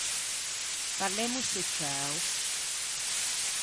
Parlemmose ciæo.